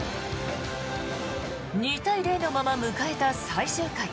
２対０のまま迎えた最終回。